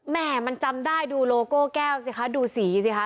แม่มันจำได้ดูโลโก้แก้วสิคะดูสีสิคะ